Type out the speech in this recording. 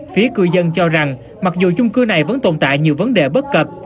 phía cư dân cho rằng mặc dù chung cư này vẫn tồn tại nhiều vấn đề bất cập